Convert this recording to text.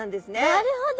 なるほど。